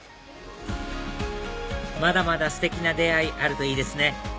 まだまだステキな出会いあるといいですね